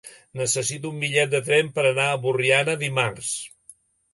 Necessito un bitllet de tren per anar a Borriana dimarts.